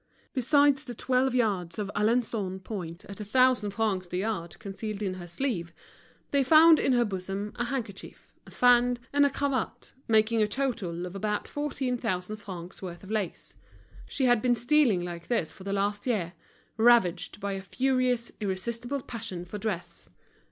Besides the twelve yards of Alençon point at a thousand francs the yard concealed in her sleeve, they found in her bosom a handkerchief, a fan, and a cravat, making a total of about fourteen thousand francs' worth of lace. She had been stealing like this for the last year, ravaged by a furious, irresistible passion for dress.